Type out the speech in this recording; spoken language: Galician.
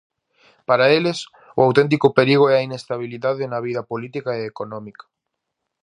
Para eles, o auténtico perigo é a inestabilidade na vida política e económica.